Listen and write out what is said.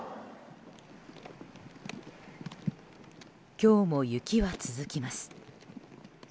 今日も雪は続きます。